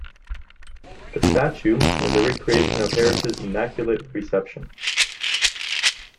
The statue is a recreation of Harris's Immaculate Reception.